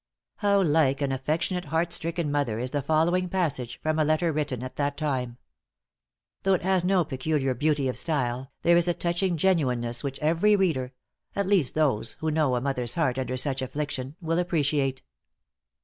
How like an affectionate heart stricken mother is the following passage, from a letter written at that time. Though it has no peculiar beauty of style, there is a touching genuineness which every reader at least those who know a mother's heart under such affliction will appreciate.